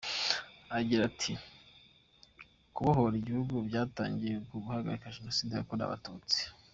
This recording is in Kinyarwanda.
Agira ati «Kubohora igihugu byatangiriye ku guhagarika Jenoside yakorewe Abatutsi.